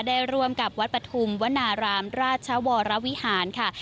ได้ร่วมกับวัดปฐุมวนารามราชวรวิหารค่ะ